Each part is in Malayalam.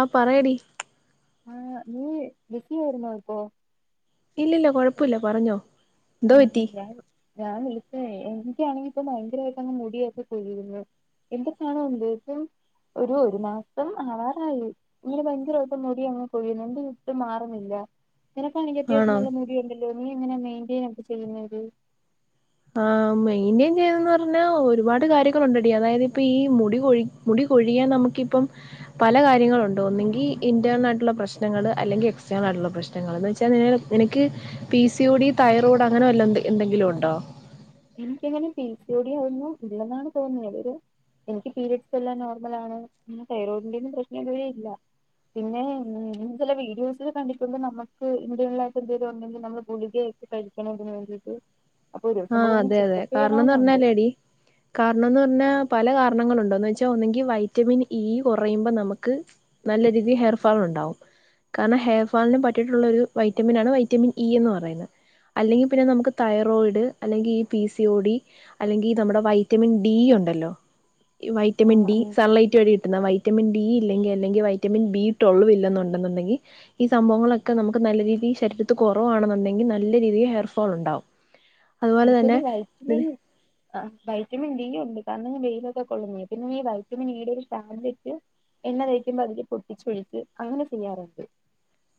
ആഹ് പറയെടീ ആഹ് നീ ബിസിയായിരുന്നോ ഇപ്പോ? ഇല്ലല്ല കൊഴപ്പല്ല പറഞ്ഞോ. എന്തോ ആഹ് പറ്റി ഞാൻ ഞാൻ വിളിച്ചതെ എനിക്കാണെങ്കി ഇപ്പ ഭയങ്കരായിട്ടങ്ങ് മുടിയൊക്കെ കൊയ്യുന്നു. എന്തൊക്കാണോ എന്തൊ ഇപ്പൊ ഒരു ഒരു മാസം ആവാറായി. ഇങ്ങനെ ഭയങ്കരായിട്ട് മുടി അങ്ങനെ കൊഴിയുന്നു എന്ത്യ്തിട്ടും മാറുന്നില്ല. നിനക്കാണെങ്കി അത്യാവശ്യം ആണോ നല്ലോം മുടി ഉണ്ടല്ലോ നീ എങ്ങനെ മെയിന്റെയ്നൊക്കെ ചെയ്യുന്നെ ഇത് ആഹ് മെയിന്റെയ്ൻ ചെയ്യണെന്ന് പറ്ഞ്ഞാ ഒരുപാട് കാര്യങ്ങളുണ്ടെടീ അതായത് ഇപ്പൊ ഈ മുടി കൊഴി മുടി കൊഴിയാൻ നമുക്കിപ്പം പല കാര്യങ്ങളുണ്ട് ഒന്നെങ്കി ഇന്റേനായിട്ട്ള്ള പ്രശ്നങ്ങള് അല്ലെങ്കി എക്സ്റ്റേണായ്ട്ട്ള്ള പ്രശ് നങ്ങള് എന്ന് വെച്ചാ നിനക്കീ പിസിയൊടി തൈറോയ്ഡ് അങ്ങനെ വെല്ല എ എന്തെങ്കിലുണ്ടോ? എനിക്ക് അങ്ങനെ പിസിയൊടി അതൊന്നും ഇല്ലെന്നാണ് തോന്ന്ന്നത് അതോരു എനിക്ക് പീരീഡ്സ് എല്ലാം നോർമലാണ് പിന്നെ തൈറോയിഡിന്റോന്നും പ്രശ്നവേ ഇല്ല. പിന്നെ ഞാൻ ചെല വീഡിയോസിലൊക്കെ കണ്ടിട്ടുണ്ട് നമുക്ക് ഇന്റെണലായിട്ട് എന്തെങ്കിലും ഒണ്ടെങ്കി നമ്മള് ഗുളികെ കഴിക്കണം ഇതിന് വേണ്ടിട്ട് അപ്പൊരു ആഹ് അതെ അതെ കാരണംന്ന് പറഞ്ഞാലെടീ കാരണംന്ന് പറ്ഞ്ഞാ പല കാരണങ്ങളുണ്ട് എന്ന് വെച്ചാ ഒന്നെങ്കി വൈറ്റമിൻ ഇ കൊറയുമ്പോ നമക്ക് നല്ല രീതി ഹെയർ ഫാള്ണ്ടാവും. കാരണം ഹെയർ ഫാളിന് പറ്റീട്ട്ള്ളോരു വൈറ്റമിനാണ് വൈറ്റമിൻ ഇ എന്ന് പറയ്ന്നെ. അല്ലെങ്കി പിന്നെ നമുക്ക് തൈറോയിഡ് അല്ലെങ്കി ഈ പിസിഒഡി അല്ലെങ്കി നമ്മടെ വൈറ്റമിൻ ഡി ഉണ്ടല്ലോ വൈറ്റമിൻ ആഹ് ഡി ആഹ് സൺലൈറ്റ് വഴി ട്ട്ന്നാ വൈറ്റമിൻ ഡി ഇല്ലെങ്കി അല്ലെങ്കി വൈറ്റമിൻ ബി ട്വെൽവ് ഇല്ലെന്നുണ്ടെന്നുണ്ടെങ്കി ഈ സംഭവങ്ങളൊക്കെ നമുക്ക് നല്ല രീതിയിൽ ശരീരത്തി കൊറവാണെന്നുണ്ടെങ്കി നല്ല രീതി ഹെയർഫോള്ണ്ടാവും. എനിക്കൊന്നു വൈറ്റ്മിൻ ആഹ് വൈറ്റമിൻ ഡി ഉണ്ട് കാരണം ഞാൻ വെയിലൊക്കെ കൊള്ളുന്നെ പിന്നെ ഈ വൈറ്റമിൻ ഇയുടെ ഒരു ടാബ് ലെറ്റ് എണ്ണ തേയ്ക്കുമ്പോ അതില് പൊട്ടിച്ചൊഴിച്ച് അങ്ങനെ ചെയ്യാറുണ്ട്.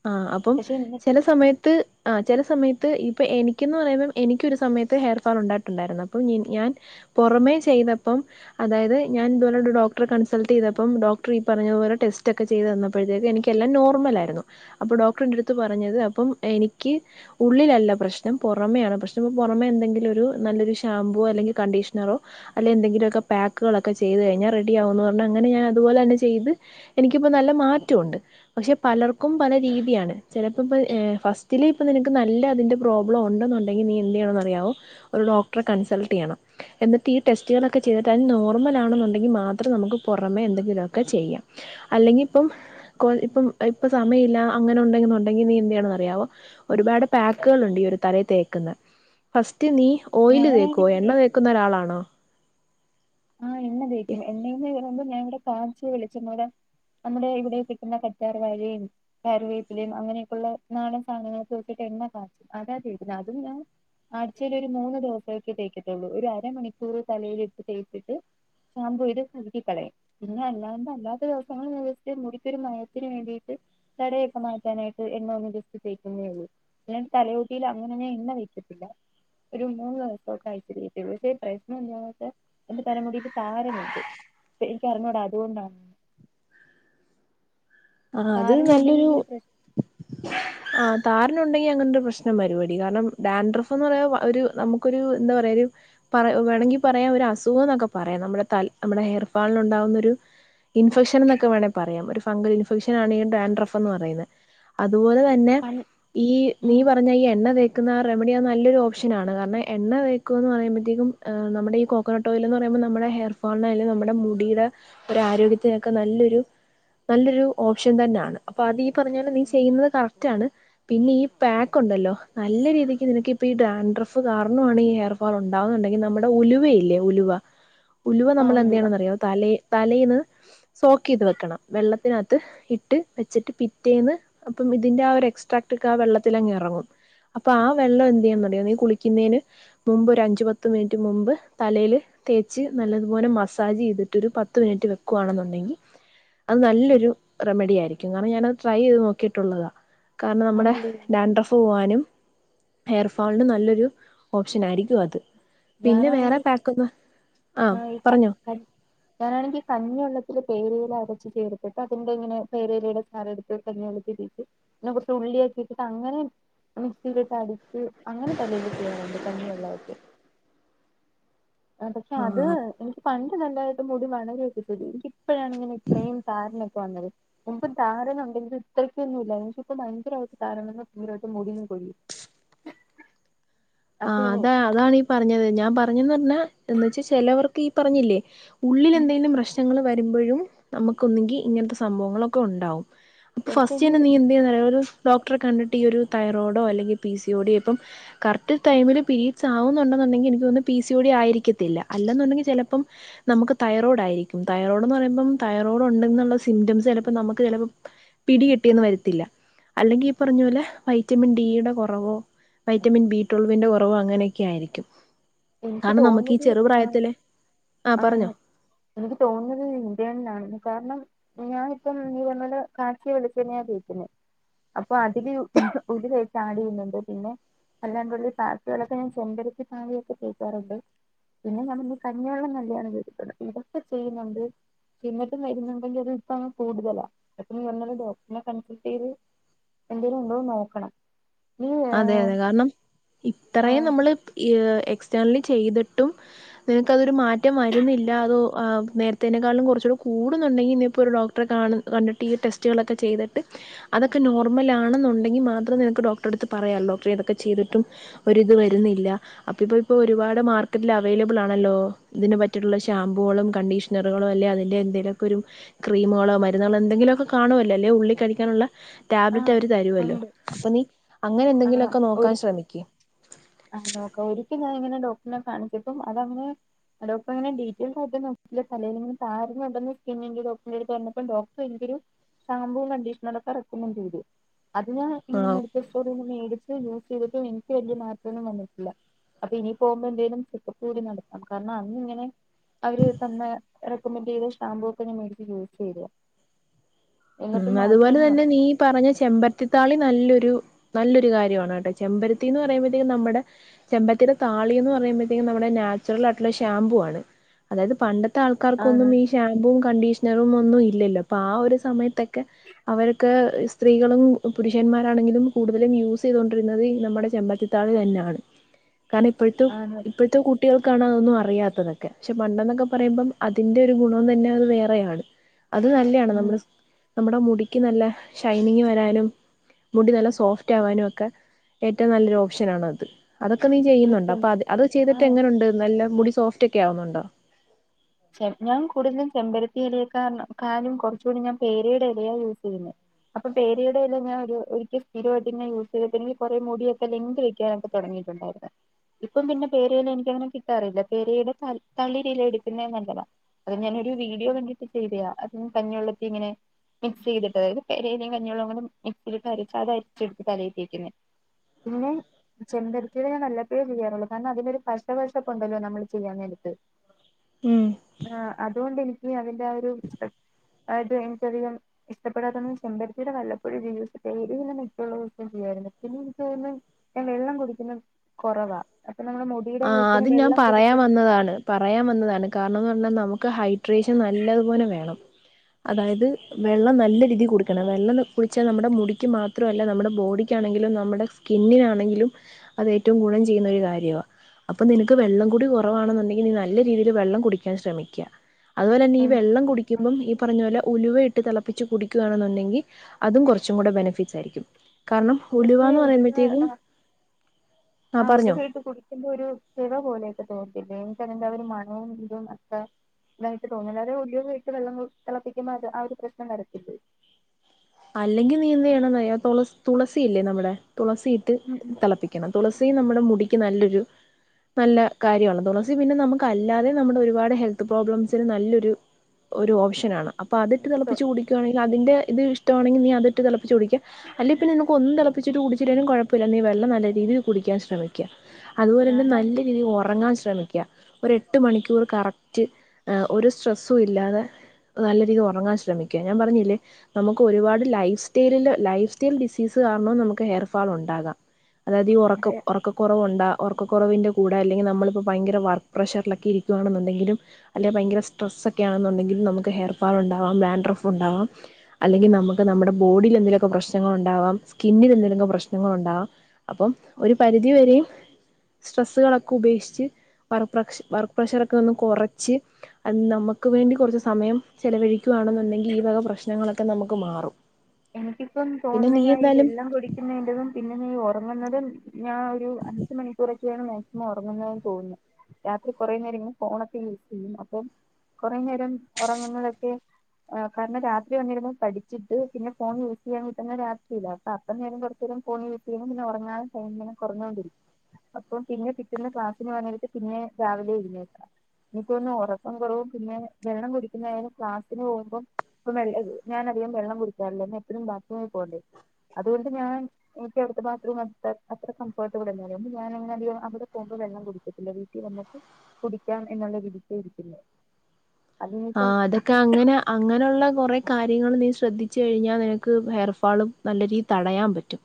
ആഹ് അപ്പം പക്ഷെ ചെല എന്നിട്ടും സമയത്ത് ആഹ് ചെല സമയത്ത് ഇപ്പൊ എനിക്കെന്ന് പറയുമ്പം എനിക്ക് ഒരു സമയത്ത് ഹെയർഫാള് ഉണ്ടായിട്ടുണ്ടായിരുന്നു അപ്പം നി ഞാൻ പൊറമേ ചെയ്തപ്പം അതായത് ഞാന് ഇത്പോലെ ഒരു ഡോക്ടറെ കൺസൾട്ടെയ്തപ്പം ഡോക്ടറ് ഈ പറഞ്ഞത് പോലെ ടെസ്റ്റോക്കെ ചെയ്ത് തന്നപ്പോഴത്തേക്ക് എനിക്കെല്ലാം നോർമലായിരുന്നു അപ്പൊ ഡോക്ടർന്റെട്ത്ത് പറഞ്ഞത് അപ്പം എനിക്ക് ഉള്ളിലല്ല പ്രശ്നം പൊറമെയാണ് പ്രശ്നം പ്പ പൊറമെ എന്തെങ്കിലു ഒരു നല്ലൊരു ഷാമ്പുവോ അല്ലെങ്കി കണ്ടീഷനറോ അല്ലെ എന്തെങ്കിലൊക്കെ പേക്ക്കളൊക്കെ ചെയ്ത് കഴിഞ്ഞാ റെഡിയാവുന്ന് പറഞ്ഞ് അങ്ങനെ ഞാന് അതുപോലെന്നെ ചെയ്ത് എനിക്ക്പ്പോ നല്ല മാറ്റൊണ്ട് പക്ഷെ പലർ ക്കും പല രീതിയാണ് ചെലപ്പോ ഇപ്പോ ഏ ഫസ്റ്റിലെ ഇപ്പ നിനക്ക് നല്ല അതിന്റെ പ്രോബ്ലം ഉണ്ട്ന്നു ഇല്ലെങ്കിൽ നീ എന്ത് ചെയ്യണന്ന് അറിയാവോ ഒരു ഡോക്ടറെ കൺസൾട്ട് ചെയ്യണം. എന്നിട്ട് ഈ ടെസ്റ്റുകളൊക്കെ ചെയ്തിട്ട് അതിൽ നോർമൽ ആണെന്നുണ്ടെങ്കി മാത്രം നമുക്ക് പൊറമെ എന്തെങ്കിലുക്കെ ചെയ്യാം. അല്ലെങ്കി ഇപ്പം കൊ ഇപ്പം ഇപ്പ സമയില്ല അങ്ങനെ ഉണ്ടെങ്കി ന്നോണ്ടെങ്കി നീ എന്തയ്യണന്ന് അറിയാവോ ഒരുപാട് പാക്ക്ൾണ്ട് ഈ ഒരു തലേ തേക്ക്ന്നെ ഫസ്റ്റ് നീ ഓയില് തേക്കോ ഞാനാണെങ്കിൽ എണ്ണ തേക്കുന്ന ഒരാളാണോ? ആ എണ്ണ തേക്കും എണ്ണേന്ന് [unintelligible] ഞാ ഇവടെ കാച്യാ വെളിച്ചെണ്ണ ഓല നമ്മുടെ ഇവിടെ കിട്ടുന്ന കറ്റാർ വാഴയും ആര്യവേപ്പിലയും അങ്ങനെയൊക്കെയുള്ള നാളൻ സാനങ്ങൾ വച്ചിട്ട് എണ്ണ കാച്ചും അതാ തേക്കല് അതും ഞാൻ ആഴ്ചയിൽ ഒരു മൂന്ന് ദിവസക്കെ തേക്കത്തുള്ളൂ ഒരു അരമണിക്കൂർ തലയിൽ ഇട്ട് തേച്ച് ട്ട് ഷാംപൂയ്ത് കയുകിക്കളയും പിന്നെ അല്ലാണ്ട് അല്ലാത്ത ദിവസങ്ങളിൽ [unintelligible] മുടിക്കൊരു മയത്തിന് വേണ്ടിയിട്ട് തടയൊക്കെ മാറ്റാനായിട്ട് എണ്ണ ഒന്ന് ജസ്റ്റ് തേക്കുന്നേള്ളൂ. അല്ലാണ്ട് തലയോട്ടിൽ അങ്ങനെങ്ങ് എണ്ണ തേക്കത്തില്ല. ഒരു മൂന്ന് ദിവസത്തോട്ട് [unintelligible] പക്ഷേ പ്രശ്നം എന്താന്ന് വെച്ച എന്റെ തലമുടിയിൽ താരനുണ്ട് ഇപ്പേ എനിക്ക് അറിഞ്ഞൂടാ അതുകൊണ്ടാണ് ആ അത് താരനുണ്ടെങ്കിൽ ഇങ്ങനെ പ്രശ് ആ താരനുണ്ടെങ്കി അങ്ങനെ ഒരു പ്രശ്നം വരൂ എടി കാരണം ഡാൻ്രഫ്ന്ന് പറയാ ഒരു നമുക്കൊരു എന്താ പറയാ ഒരു പറ വേണങ്കിൽ പറയാം ഒരു അസുഖം എന്നൊക്കെ പറയാം നമ്മുടെ തല നമ്മുടെ ഹെയർ ഫാളിൽ ഉണ്ടാകുന്നൊരു ഇൻഫെക്ഷൻ എന്നൊക്കെ വേണെ പറയാം ഒരു ഫംഗൽ ഇൻഫെക്ഷൻ ആണ് ഈ ഡാൻഡ്രഫ് എന്ന് പറയുന്നേ. അതുപോലെ തന്നെ പൺ ഈ നീ ഉം പറഞ്ഞ ഈ എണ്ണ തേ ക്ക്ന്ന ആ റെമഡി നല്ലൊരു ഓപ്ഷനാണ് കാരണം എണ്ണ തേക്കുന്ന് പറയ്മ്പത്തേക്കും ഏ നമ്മുടെ കോ ക്കനട്ട് ഓയിൽ എന്ന് പറയുമ്പോ നമ്മുടെ ഹെയർ ഫോളിനായ നമ്മുടെ മുടിയുടെ ഒരു ആരോഗ്യത്തിനൊക്കെ നല്ലൊരു നല്ലൊരു ഓപ്ഷൻ തന്നെയാണ് അപ്പൊ അതീ പറഞ്ഞാല് നീ ചെയ്യുന്നത് കറക്റ്റ് ആണ് പിന്നെ ഈ പാക്ക് ഉണ്ടല്ലോ നല്ല രീതിക്ക് നിനക്ക് ഇപ്പ ഈ ഡാൻഡ്രഫ് കാരണമാണ് ഈ ഹെയർ ഉണ്ടാവുന്നുണ്ടെങ്കിൽ നമ്മുടെ ഉലുവയില്ലേ ഉലുവ ഉലുവ ആ നമ്മള് ഇടുക എന്തയ്യെണെന്ന്റിയോ തലേ തലേന്ന് സോക്ക് ചെയ്ത് വെക്കണം വെള്ളത്തിന് അ ത്ത് ഇട്ട് വെച്ചിട്ട് പിറ്റേന്ന് അപ്പം ഇതിന്റെ ആ ഒരു എക്സ്ട്രാക്ട് ഒക്കെ ആ വെള്ളത്തിലങ്ങ് എറങ്ങും. അപ്പ ആ വെള്ളം എന്തയ്യെണന്ന് അറിയോ നീ കുളിക്കുന്നേന് മുമ്പ് ഒരു അഞ്ച്, പത്ത് മിനിറ്റ് മുമ്പ് തലേൽ തേച്ച് നല്ലതുപോലെ മസാജ് ചെയ്തിട്ട് ഒരു പത്ത് മിനിറ്റ് വെക്കുവാണെന്നുണ്ടെങ്കിൽ അത് നല്ലൊരു റെമഡി ആയിരിക്കും കാരണം ഞാനത് ട്രൈ ചെയ്ത് നോക്കിയിട്ടുള്ളതാ. കാരണം നമ്മുടെ ആണല്ലേ ഡാൻഡ്രഫ് പോവാനും ഹെയർ ഫോളിന് നല്ലൊരു ഓപ്ഷൻ ആയിരിക്കും അത് പിന്നെ വേറെ പാക്ക് ഒന്ന് [unintelligible] ഞാനാണെങ്കിൽ കഞ്ഞി വെള്ളത്തില് പേരയില അരച്ചു ചേർത്തിട്ട് അതിന്റെ ഇങ്ങനെ പേരലയുടെ ചാർ എട് [unintelligible] പിന്നെ കൊർച്ച് ഉള്ളി ആക്കിയിട്ട് അങ്ങനെ അഹ് മിക്സിയിട്ട് അടിച്ച് അങ്ങനെ തലേൽ ചെയ്യാറുണ്ട് കഞ്ഞിവെള്ളമൊക്കെ ആ പക്ഷെ അത് എനിക്ക് പണ്ട് നല്ലായിട്ട് മുടി വളരേ [unintelligible] എനിക്ക് ഇപ്പഴാണ് ഇങ്ങനെ ഇത്രയും താരനൊക്കെ വന്നത് മുമ്പ് താരനുണ്ടങ്കി ഇത്രക്കൊന്നും ഇല്ല പക്ഷേ ഇപ്പം ഭയങ്കരായിട്ട് [unintelligible] മുടിയും കൊയ്യും. അ. ആ അതാ അതാണ് ഈ പറഞ്ഞത് ഞാൻ പറഞ്ഞിന്ന് പർഞ്ഞാ എന്നു വെച്ച ചെലവർക്ക് ഈ പറഞ്ഞില്ലേ ഉള്ളിൽ എന്തെങ്കിലും പ്രശ്നങ്ങൾ വരുമ്പഴും നമുക്കൊന്നങ്കി ഇങ്ങൻത്തെ സംഭവങ്ങളൊക്കെ ഉണ്ടാവും. ഇപ്പൊ ഇനി ഫസ്റ്റ്ന്നെ നീ എന്തയ്യണന്നറിയോ ഒരു ഡോക്ടറെ കണ്ടിട്ട് ഈ ഒരു തൈറോഡോ അല്ലെങ്കി പി സി ഓഡിയോ ഇപ്പം കറക് റ്റ് ടൈമില് പിരീഡ്സ് ആവുന്നുണ്ടെന്നുണ്ടെങ്കി എനിക്ക് തൊന്ന്ന്ന് പി സി ഓ ടി ആയിരിക്കത്തില്ല അല്ലെന്നുണ്ടെങ്കി ചെലപ്പം നമുക്ക് തൈറോയ്ഡ് ആയിരിക്കും തൈറോഡ്ന്ന് പറയുമ്പം തൈറോഡ് ഉണ്ടെന്നുള്ള സിംറ്റംസ് ചെലപ്പോ നമുക്ക് ചെലപ്പം പിടികിട്ടിയന്ന് വരത്തില്ല അല്ലെങ്കി ഈ പറഞ്ഞ പോലെ വൈറ്റമിൻ ഡിയുടെ കോറവോ വൈറ്റമിൻ ബി [unintelligible] വിന്റെ കൊറവൊ അങ്ങനെക്കെ ആയിരിക്കും എനിക്ക് കാരണം നമുക്ക് ഈ തോന്നുന്നത് ചെറുപ്രായത്തിലെ ആ ആണ് പറഞ്ഞോ എനിക്ക് തോന്നുന്നത് ഇന്ത്യന്നാണ് കാരണം ഞാനിപ്പം [unintelligible] മ്മള് കാച്ചിയ വെളിച്ചണ്ണേ തേക്കുന്നെ അപ്പൊ അതില് ഉം [unintelligible] ചെയ്യുന്നുണ്ട് പിന്നെ അല്ലാണ്ടുള്ളിൽ പാർട്ടുകളൊക്കെ ഞാൻ ചെമ്പരത്തി താളിയൊക്കെ തെക്കാറുണ്ട് പിന്നെ [unintelligible] കഞ്ഞിവെള്ളം നല്ലേണ് വീട്ട്ത്തത് ഇതൊക്കെ ചെയ്യുന്നുണ്ട് ന്ന്ട്ടും വരുന്നുണ്ടങ്കി അത് ഇപ്പ ആ കൂടുതലാ [unintelligible] ഡോക്ടറിനെ കൺസൾട്ടയ്ത് എന്തേലും ഉണ്ടോന്ന് നോക്കണം നീ അതെ ഏഹ് അതെ കാരണം ഇത്രയും ആഹ് നമ്മള് എ എക്സ്റ്റേൺലി ചെയ്ത്ട്ടും നിനക്കതൊരു മാറ്റം വരുന്നില്ല അതോ നേരത്തേതിനേക്കാൾലും കൊർച്ചുടെ കൂടുന്നുണ്ടെങ്കി ഇനിയിപ്പോ ഒരു ഡോക്ടറെ കാണ്‌ കണ്ടിട്ട് ഈ ടെസ്റ്റുകളൊക്കെ ചെയ്ത്ട്ട് അതൊക്കെ നോർമലാണ്ന്നുണ്ടെങ്കി മാത്രം നിനക്ക് ഡോ ക്റ്ററട്ത്ത് പറയാ ഡോക്ടറെ ഇതൊക്കെ ചെയ്തിട്ടും ഒരിത് വരുന്നില്ല അപ്പ ഇപ്പൊ ഇപ്പൊ ഒരുപാട് മാർക്കറ്റില് അവൈലബിൾ ആണല്ലോ ഇതിന് പറ്റിട്ടുള്ള ഷാമ്പൂകളും കണ്ടീഷ് നറുകളോ അല്ലെ അതിന്റെ എന്തെലൊക്കെ ഒരു ക്രീമുകളോ മരുന്നുകളോ എന്തെങ്കിലോക്കെ കാണുവല്ലോ അല്ലെ ഉള്ളി കഴിക്കാനുള്ള ടാബ്ലറ്റ് ആഹ് അവര് തരുവല്ലോ ഉണ്ട് അപ്പ നീ അങ്ങനെ എന്തെങ്കിലോക്കെ നോക്കാൻ ശ്രമിക്ക് ആ നോക്ക ഒരിക്കെ ഞാന് ഇങ്ങനെ ഡോക്ടർനെ കാണിച്ചപ്പം അതങ് ഡോക്ടർ അങ്ങനെ ഡീറ്റെയിൽസ് ആയിട്ട് നോക്കീല്ല തലേല് താരന് ഉണ്ടന്ന് സ്കിന്നിന്റെ ഡോക്റ്റെറേട്ത്ത് പറഞ്ഞപ്പം ഡോക്ടർ എനിക്കൊരു ഷാമ്പൂ കണ്ടീഷ്ണറൊക്കെ റേക്കമെന്റ് ചെയ്തു അത് ഞാൻ ഇങ്ങനെ ആഹ് മെഡിക്കൽ സ്റ്റോറിൽ നിന്ന് മേടിച്ച് യൂസ് ചെയ്തിട്ട് എനിക്ക് വല്ല്യ മാ റ്റം ഒന്നും വന്നിട്ടില്ല അപ്പൊ ഇനി പോവുമ്പോ എന്തേലും ചെക്കപ്പ് കൂടി നടത്താം കാരണം അന്ന് ഇങ്ങനെ അവര് തന്ന റെക്കമെന്റയ്ത ഷാമ്പൂ ഒക്ക ഞാൻ മേടിച് യൂസ് ചെയ്ത് ഉം അതുപോലെ തന്നെ നീ പറഞ്ഞ ചെമ്പര് ത്തി താളി നല്ലൊരു നല്ലൊരു കാര്യാണ് കേട്ടെ ചെമ്പരത്തിന്ന് പറയുമ്പോഴത്തേക്കും നമ്മടെ ചെമ്പര്ത്തിന്റെ താളീന്ന് പറയുമ്പഴത്തേും നമ്മുടെ നാച്ചുറൽ ആയിട്ടുള്ള ഷാമ്പു ആണ് അതായത് പണ്ട ത്തെ ആൾക്കാർക്കൊന്നും ആണ് ഈ ഷാമ്പും കണ്ടീഷ്ണറും ഒന്നും ഇല്ലല്ലോ അപ്പ ആ ഒരു സമയ ത്തക്കെ അവര്ക്ക് സ്ത്രീകളും പുരുഷന്മാരാണെങ്കിലും കൂടുതലും യൂസ് ചെയ്തൊണ്ടിരുന്നത് ഈ നമ്മുടെ ചെമ്പത്തി താളി തന്നാണ് [inaudible] കാരണം ഇപ്പയ്‌ത്തും ആണ് ഇപ്പഴത്തെ കുട്ടികൾക്കാണ് അതൊന്നും അറിയാത്തതൊക്കെ പക്ഷെ പണ്ടെന്നൊക്കെ പറയുമ്പം അതിന്റെ ഒരു ഗുണം തന്നെ അത് വേറെയാണ് അത് നല്ലേണ് ഉം നമ്മുടെ സ് നമ്മുടെ മുടിക്ക് നല്ല ഷൈനിങ് വരാനും മുടി നല്ല സോഫ്റ്റ് ആവാനും ഒക്ക ഏറ്റവും നല്ലൊരു ഓപ്ഷനാണത് അതൊക്ക നീ ഈ ചെയ്യുന്നുണ്ടോ ചെം അപ്പൊ അത് അത് ചെയ്ത്ട്ട് ആഹ് എങ്ങനെ ഉണ്ട് നല്ല മുടി സോഫ്റ്റ് ഒക്കെ ആവുന്നുണ്ടോ ഞാൻ കൂടുതലും ചെമ്പരത്തി എലയെകാളും കൊർച്ചു കൂടി ഞാൻ പേരയുടെ എലയാണ് യൂസയ്യുന്നത് അപ്പ പേരയുടെ എല ഞാൻ ഒരിക്ക സ്ഥിരമായിട്ട് ഇങ്ങനെ യൂസ് ചെയ്തെന് കോറെ മുടിയക്കെ [unintelligible] തൊട്ങ്ങിയിട്ടുണ്ടാ [unintelligible] ഇപ്പം പിന്നെ പേര എല എനിക്കങ്ങനെ കിട്ടാറില്ല പേരയുടെ ത തളിരില പിന്നേം നല്ലതാ അത് ഞാന് ഒരു വീഡിയോ കണ്ടിട്ട് ചെയ്തയാ അ കഞ്ഞി വെള്ളത്തി ഇങ്ങനെ മിക്സ് ചെയ്തിട്ട അതായത് പേരയിലിം കഞ്ഞി വെള്ളും കൂടി മിക്സിലിട്ട് അരച്ച് അത് അര്ച്ചെട്ത്ത് തലയി തെക്കും ഞാൻ പിന്നെ ചെമ്പരത്തിടെ ഞാന് വല്ലപ്പൊഴേ ചെയ്യാറുള്ളു കാരണം അതിനൊരു പശവശപ്പുണ്ടല്ലോ നമ്മൾ ചെയ്യാന്നെരത്ത് ഉം ആഹ്‌ അതുകൊണ്ട് എനിക്ക് അതിന്റെ ആഹ് ഒരു അത് എനിക്കധികം ഇഷ്ടപ്പെടാത്തന്താ ചെമ്പരത്തിയുടെ വല്ലപ്പോഴ വിഴുസൊക്കെ ഇത് പിന്നെ മറ്റുള്ള ദിവ്സും ചെയ്യലോ മറ്റുള്ള പിന്നെ ഞൻ വെള്ളം കുടിക്കുന്ന് കൊറവാ അപ്പൊ നമ്മള് മൂടി ആഹ്‌ അത് ഞാൻ പറയാൻ വന്നതാണ് പറയാൻ വന്നതാണ് കാരണംന്ന് പറഞ്ഞാ നമുക്ക് ഹൈഡ്രേഷൻ നല്ലത്പോലെ വേണം അതായത് വെള്ളം നല്ല രീതിയിൽ കുടിക്കണം വെള്ളം കുടിച്ചാൽ നമ്മുടെ മുടിക്ക് മാത്ര മാത്രല്ല നമ്മുടെ ബോഡിക്കാണെങ്കിലും നമ്മുടെ സ്കിന്നിനാണെങ്കിലും അത് ഏറ്റവും ഗുണം ചെയ്യുന്നൊ ഒരു കാര്യവാ അപ്പൊ നിനക്ക് വെള്ളം കൂടി കൊറവാണെന്നുണ്ടെങ്കിൽ നീ നല്ല രീതിയിൽ വെള്ളം കുടിക്കാൻ ശ്രമിക്ക അതുപോലെ നീ എനിക്ക് വെള്ളം ആഹ് കുടിക്കുമ്പം ഈ പറഞ്ഞ പോലെ ഉലുവ ഇട്ട് തെളപ്പിച്ച് കുടിക്കുകയാണെന്നുണ്ടെങ്കിൽ അതും കൊറ്ച്ചുകൂടെ ബെനിഫിറ്റ്സ് ആയിരിക്കും കാരണം പക്ഷേ ഉലുവന്ന് ഉലുവ പറയുമ്പോഴത്തേക്കും ആഹ്‌. ആ ആഹ്‌ പറഞ്ഞോ ഉലുവ ഇട്ട് കുടി ഒരു തിള പോലെയൊക്കെ തോന്നത്തില്ലേ എനിക്ക് അങ്ങന് ത്ത ഒരു മണവും ഇതും അത്ര നന്നായിട്ട് തോന്നി അതയത് ഉലുവയിട്ട് വെള്ളം തിളപ്പിക്കുമ്പോ അത് ആഹ് ഒരു പ്രശ്‌നം വരത്തില്ലെ അല്ലെങ്കിൽ നീ എന്തേയ്യെണം ന്നറിയ്യോ തൊളസി തുളസിയില്ലേ നമ്മുടെ തുളസിയിട്ട് ഉം ഉം തെളപ്പിക്ക തുളസി നമ്മുടെ മുടിക്ക് നല്ലൊരു നല്ല കാര്യണ് തുളസി പിന്നെ നമുക്ക് അല്ലാതെ നമ്മുടെ ഒരുപാട് ഹെൽത്ത് പ്രോബ്ലംസിന് നല്ലൊരു ഒരു ഓപ്ഷനാണ് അപ്പ അതിട്ട് തെളിച്ച് കുടിക്കുവാണെങ്കിൽ അതിന്റെ ഇത് ഇഷ്ടമാണെങ്കിൽ നീ അതിട്ട് തെളപ്പിച്ച് കുടിക്കുക അല്ലെ പിന്നെ നിനക്ക് ഒന്നും തെളപ്പിച്ചിട്ട് കുടിച്ചില്ലെലും കുഴപ്പല്ല നീ വെള്ളം നല്ല രീതിൽ കുടിക്കാൻ ശ്രമിക്ക അതുപോലെന്നെ നല്ല ഞാനാണെങ്കിൽ രീതിയിൽ ഉറങ്ങാൻ ശ്രമിക്ക ഒരു എട്ട് മണിക്കൂർ കറക്റ്റ് ഒരു സ്ട്രെസ്സും ഇല്ലാതെ നല്ല രീതി ഒറങ്ങാൻ ശ്രമിക്ക ഞാൻ പറഞ്ഞില്ലേ നമ്മുക്ക് നമ്മുക്ക് ഒരുപാട് ലൈഫ് സ്റ്റൈലില് ലൈഫ് സ്റ്റൈൽ ഡിസീസ് കാരണോ നമുക്ക് ഹെയർഫാൾ ഉണ്ടാകാം അതായത് ഈ അതെ ഒറക്കം ഒറക്കം കൊറവ്ണ്ടാ ഒർക്ക കൊറവിൻ്റെ കൂടെ അല്ലെങ്കിൽ നമ്മളിപ്പോ ഭയങ്കര വർക്ക് പ്രഷറിലൊക്കെ ഇരിക്കയാണുണ്ടെങ്കിലും അല്ലെ ഭയങ്കര സ്ട്രെസ് ഒക്കെയ ആണുന്നുണ്ടെങ്കിലും നമുക്ക് ഹെയർ ഫാൾ ഉണ്ടാവാം ടാൻഡ്റോഫുണ്ടവാം അല്ലെങ്ക നമുക്ക് നമ്മുടെ ബോഡില് എന്തെലൊക്കെ പ്രശ്നങ്ങൾ ഉണ്ടാവാം സ്കിന്നിൽ എന്തെങ്കൊക്കെ പ്രശ്നങ്ങൾ ഉണ്ടാവാം അപ്പം ഒരു പരിധി വരെയും സ്ട്രെസ്സുകളൊക്കെ ഉപേക്ഷിച്ച് വർ പ്രശ് വർക്ക് പ്രഷറൊക്കെന്ന് കൊറച്ച് അത് നമുക്ക് വേണ്ടി കുറച്ച് സമയം ചെലവഴിക്കു ആണെന്നുണ്ടെങ്കിൽ ഈ വക പ്രശ്നങ്ങളൊക്കെ ഒക്കെ നമ്മുക്ക് മാറും എനിക്കിപ്പം പിന്നെ നീ തോന്നുന്നത് ഞാൻ ഈ എന്തായാലും വെള്ളം കുടിക്കുന്നിന്റതും പിന്നെ ഈ ഒറങ്ങുന്നതും ഞാൻ ഒരു അഞ്ച് മണിക്കൂറൊക്കെ ഒക്കെ ആണ് മാക്സിമം ഉറങ്ങുന്നതെന്ന് തോന്നുന്നു രാത്രി കുറേ നേരം ഇങ്ങനെ ഫോണൊക്കെ യൂസ് ചെയ്യും അപ്പൊ കുറെേ നേരം ഉറങ്ങുന്നതൊക്കെ ഏഹ് കാരണം രാത്രി വന്നിരുന്നു പഠിച്ചിട്ട് പിന്നെ ഫോണ് യൂസ് ചെയ്യാന് കുത്തർന്നാ രാത്രില്ല അപ്പ അത്ര നേരം കൊറ്ച്ചേരം ഫോൺ യൂസ് ചെയ്യും പിന്നെറ്ങ്ങാതെ ഫോണ്ങ്ങനെ കൊറ്ഞ്ഞോണ്ടരിക്കും അപ്പം പിന്നെ പിറ്റേന്ന് ക്ലാസ്സിന് പോവാനായിട്ട് പിന്നെ രാവിലെ എഴുന്നേക്കാ ഇനിക്കൊന്ന്ന്ന് ഉറക്കം കുറവും പിന്നെ വെള്ളം കുടിക്കുന്നായാലും ക്ലാസ്സിന് പോകുമ്പോം ഇപ്പൊ വെള്ളം ഞാൻ അധികം വെള്ളം കുടിക്കാറില്ല എന്നാ എപ്പഴും ബാത്ത്റൂമ് പോണ്ടേ അതുകൊണ്ട് ഞാന് എനിക്ക് അവിടുത്തെ ബാത്റൂം അത്ര അത്ര കംഫർട്ടബിളല്ല അതോണ്ട് ഞാന് അങ്ങനെ അധികം അവിടെ പോകുമ്പോ വെള്ളം കുടിക്കത്തില്ല ടീ വീട്ടി വന്നിട്ട് കുടിക്കാം എന്നുള്ള വിധിക്ക ഇരിക്കല് ആഹ് അതൊക്കെ അങ്ങനെ അങ്ങനെയുള്ള കുറേ കാര്യങ്ങൾ നീ ശ്രദ്ധിച്ചു കഴിഞ്ഞാൽ നിനക്ക് ഹെയർ ഫാളും നല്ല രീതിയിൽ തടയാൻ പറ്റും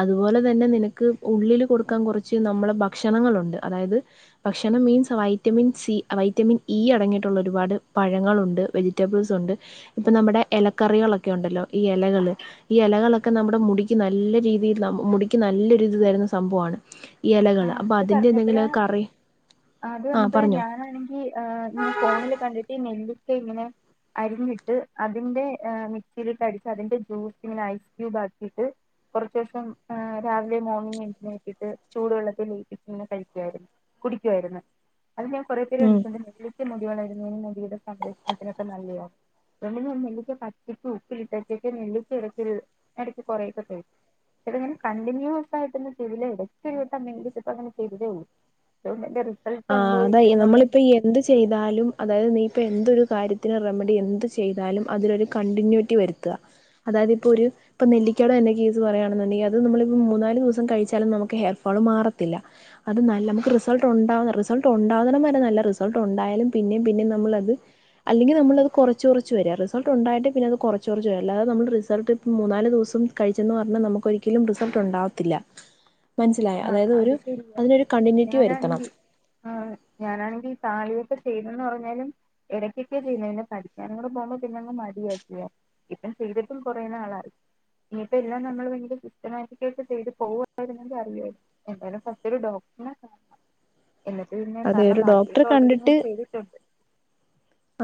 അതുപോലെ തന്നെ നിനക്ക് ഉള്ളില് കൊടുക്കാൻ കുറച്ച് നമ്മളെ ഭക്ഷണങ്ങളുണ്ട് അതായത് ഭക്ഷണം means vitamin C vitamin E അടങ്ങിയിട്ടുള്ള ഒരുപാട് പഴങ്ങളുണ്ട് വെജിറ്റബിൾസ് ഉണ്ട് ഇപ്പം നമ്മുടെ എലക്കറികളൊക്കെ ഉണ്ടല്ലോ ഈ എലകള് ഈ എലകളൊക്കെ നമ്മുടെ മുടിക്ക് നല്ല രീതിൽ ന മുടിക്ക് നല്ലൊരു ഇത് തരുന്ന സംഭവാണ് ആഹ് അത് പറഞ്ഞപ്പഴാ അത് ആഹ് പറഞ്ഞപ്പഴാ പറഞ്ഞോ ഞാനാണ് ഈ ഇങ്ങനെ ഫോണിൽ കണ്ടിട്ട് എന്തൊക്കെ ഇങ്ങനെ അരിഞ്ഞിട്ട് അതിന്റെ മിക്സിയിലിട്ട് അടിച്ച് അതിന്റെ ജ്യൂസ് ഇങ്ങനെ ഐസ്ക്യൂബ് ആക്കിയിട്ട് കുറച്ച് ദിവസം രാവിലെ മോർണിംഗ് [unintelligible] ചൂടുവെള്ളത്തിൽ [unintelligible] കഴിക്കായിരുന്നു കുടിക്കായിരുന്നു അത് ഞാൻ കുറെ പേര് ഉം [unintelligible] മുടിവളായിരുന്നതിന് മുടിയുടെ സംരക്ഷണത്തിനൊക്കെ നല്ലതാ [unintelligible] നെല്ലിക്ക പച്ചിട്ട് ഉപ്പിലിട്ടക്കൊക്കെ നെല്ലിച്ചി ഇടക്ക ഇടയ്ക്ക് കുറൊക്കെ തേ ഇതങ്ങനെ കണ്ടിന്യൂസ് ആയിട്ടൊന്ന് [unintelligible] ഇടും [unintelligible] ചെയ്തെള്ളു ആഹ് അതെ നമ്മളിപ്പ എന്ത് ചെയ്താലും അതായത് നീ ഇപ്പോ എന്തൊരു കാര്യത്തിനന് റെമഡി എന്ത് ചെയ്താലും അതിലൊരു കണ്ടിന്യൂറ്റി കി വരുത്തുക അതായത് ഇപ്പോൾ ഒരു ഇപ്പൊ നെല്ലിക്കട എന്റെ കേസ് പറയയാണുണ്ടങ്കിൽ അത് നമ്മളിപ്പോ മൂന്നാല് ദിവസം കഴിച്ചാലും നമുക്ക് ഹെയർഫോള് മാറത്തില്ല അത് നല്ല നമുക്ക് റിസൾട്ട ഉണ്ടാവുന്ന റിസൾട്ട് ഉണ്ടാകുന്ന വരെ നല്ല റിസൾട്ട് ഉണ്ടായാലും പിന്നെയും പിന്നേും നമ്മളത് അല്ലെങ്കിൽ നമ്മളത് കുറച്ച് കുറച്ച് വരി റിൾട്ട ഉണ്ടായിട്ട് പിന്നെത് കുറച്ച്റച്ച് വരി അല്ലാതെമ്മൾ റിസൾട്ട് ഇൾ മൂന്നാല് ദിവസം കഴിച്ചെന്ന് പറഞ്ഞാൽ നമുക്കൊരിക്കലും റിസൾട്ട് ഉണ്ടാവത്തില്ല മനസ്സിലായ ആഹ അതായത് അത് ഒരു ശരിയ അതിനൊരു കണ്ടിന്യൂറ്റി വരുത്തണം ഞാനാണെങ്കി ആ ഞാനാണെങ്കിൽ തായോട്ട് ചെയ്തെന്ന് പറഞ്ഞാലും ഇടയ്ക്കൊക്കെയെ ചെയ്യുന്നെ പഠിക്കാനും കൂടെ പോകുമ്പോ പിന്നെ അങ്ങ് മടിയായി ഇപ്പം ചെയ്തിട്ടും കുറയുന്നാളായി ഇനിപ്പം എല്ലാം നമ്മൾ ഭയ [unintelligible] ചെയ്ത് പോവമായി [unintelligible] അ എന്താലും ഫസ്റ്റ് ഒരു ഡോക്ടറിന കാ [unintelligible] എന്നിട്ട് പിന്നെ അതെ കാരണം ഒരു ഡോക്ടറെ ബാക്കിയൊക്കെ ഓൾറെഡി ഞാൻ കണ്ടിട്ട് ചെയ്തിട്ടുണ്ട്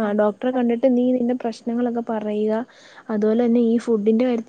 ആ ഡോക്ടറെ കണ്ടിട്ട് നീ നിന്റെ പ്രശ്നങ്ങളൊക്കെ പറയ അതുപോലെ തന്നെ ഈ ഫുഡിന്റെ കാര്യത്തി